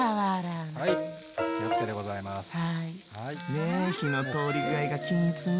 ね火の通り具合が均一に。